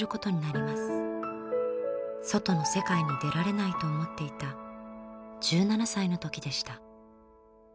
外の世界に出られないと思っていた１７歳の時でした。